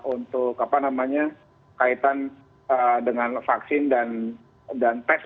untuk apa namanya kaitan dengan vaksin dan tes